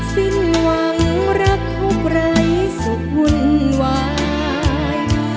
เส้นหวังรักทุกไรจะหุ่นวาย